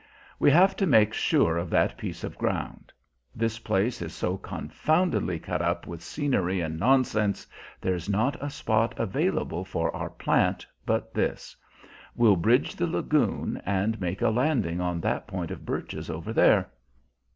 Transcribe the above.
We have to make sure of that piece of ground. This place is so confoundedly cut up with scenery and nonsense, there's not a spot available for our plant but this. We'll bridge the lagoon and make a landing on that point of birches over there."